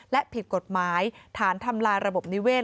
และผิดกฎหมายฐานทำลายระบบนิเวศ